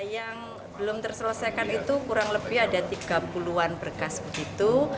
yang belum terselesaikan itu kurang lebih ada tiga puluh an berkas begitu